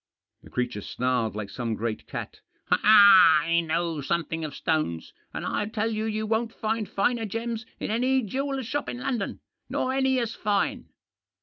The creature snarled like some great cat. " I know some thing of stones, and I tell you you won't find finer gems in any jeweller's shop in London — nor any as fine."